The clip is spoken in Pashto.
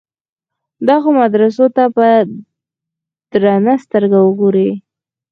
دغو مدرسو ته په درنه سترګه ګوري.